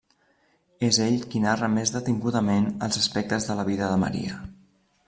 És ell qui narra més detingudament els aspectes de la vida de Maria.